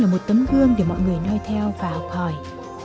một tấm gương để mọi người nơi theo và học hỏi